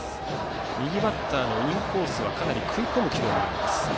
右バッターのインコースはかなり食い込む軌道になります。